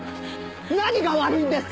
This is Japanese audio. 何が悪いんですか？